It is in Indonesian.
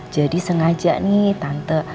jadi sengaja nih tante